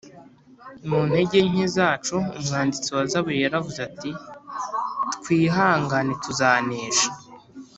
Mu intege nke zacu Umwanditsi wa zaburi yaravuze ati twihangane tuzanesha